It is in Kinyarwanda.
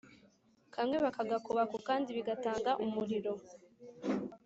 kamwe bakagakuba ku kandi bigatanga umuriro